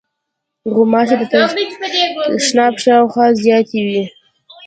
غوماشې د تشناب شاوخوا زیاتې وي.